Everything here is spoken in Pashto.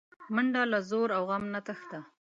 منډه له ځور او غم نه تښته